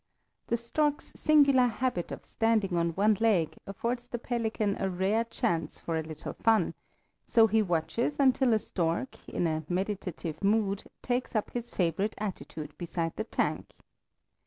The stork's singular habit of standing on one leg affords the pelican a rare chance for a little fun, so he watches until a stork, in a meditative mood, takes up his favorite attitude beside the tank.